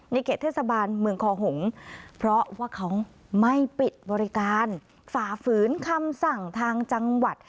เขตเทศบาลเมืองคอหงษ์เพราะว่าเขาไม่ปิดบริการฝ่าฝืนคำสั่งทางจังหวัด